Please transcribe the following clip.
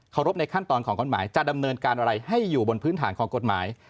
รบในขั้นตอนของกฎหมายจะดำเนินการอะไรให้อยู่บนพื้นฐานของกฎหมาย